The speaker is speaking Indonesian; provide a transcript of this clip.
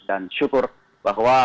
dan syukur bahwa